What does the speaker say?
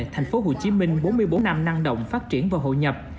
tp hcm bốn mươi bốn năm năng động phát triển và hội nhập